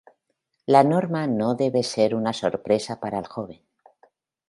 La norma no debe ser una sorpresa para el joven.